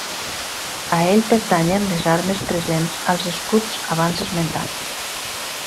A ell pertanyen les armes presents als escuts abans esmentats.